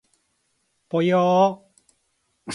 ぽよー